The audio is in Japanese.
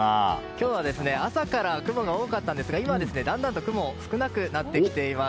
今日は朝から雲が多かったんですが今はだんだんと雲が少なくなってきています。